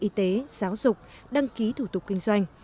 y tế giáo dục đăng ký thủ tục kinh doanh